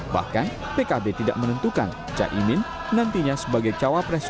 bahkan pkb tidak menentukan caimin nantinya sebagai cawapres